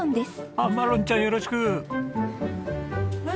あっマロンちゃんよろしく！